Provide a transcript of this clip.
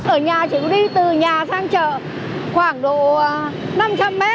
ở nhà chỉ có đi từ nhà sang chợ khoảng độ năm trăm linh m